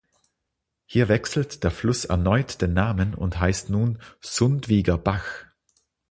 Hier wechselt der Fluss erneut den Namen und heißt nun "Sundwiger Bach".